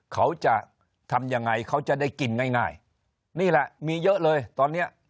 เขาจะทำยังไงเขาจะได้กินง่ายนี่แหละมีเยอะเลยตอนเนี้ย